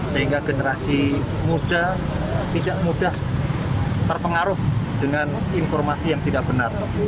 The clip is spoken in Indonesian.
sehingga generasi muda tidak mudah terpengaruh dengan informasi yang tidak benar